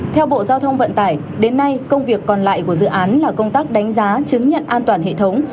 theo bộ giao thông vận tải đến nay công việc còn lại của dự án là công tác đánh giá chứng nhận an toàn hệ thống